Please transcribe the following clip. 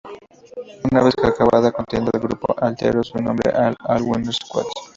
Una vez acabada la contienda, el grupo alteró su nombre a All-Winners Squad.